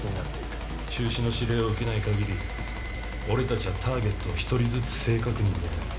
中止の指令を受けない限り俺たちはターゲットを１人ずつ正確に狙う。